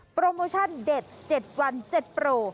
โปรโมชั่นเด็ด๗วัน๗โปร